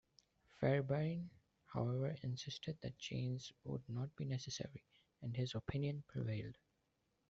Fairbairn, however, insisted that chains would not be necessary, and his opinion prevailed.